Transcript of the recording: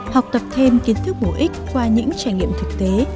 học tập thêm kiến thức bổ ích qua những trải nghiệm thực tế